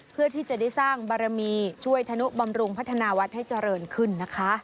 เพื่อที่จะได้สร้างบารมีช่วยธนุบำรุงพัฒนาวัดให้เจริญขึ้นนะคะ